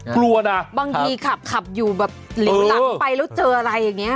กลัวนะบางทีขับขับอยู่แบบหลิวหลังไปแล้วเจออะไรอย่างนี้